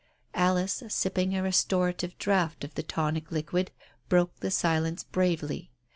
... Alice, sipping a restorative draught of the tonic liquid, broke the silence bravely.